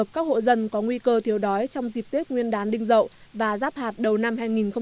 các hộ dân có nguy cơ thiếu đói trong dịp tết nguyên đán đinh dậu và giáp hạt đầu năm hai nghìn một mươi bảy